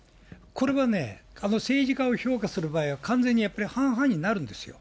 これはね、政治家を評価する場合は、完全にやっぱり半々になるんですよ。